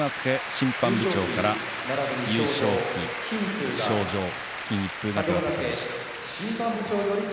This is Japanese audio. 審判部長から優勝旗と賞状、金一封が手渡されました。